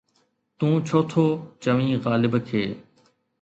تون ڇو ٿو چوين غالب کي؟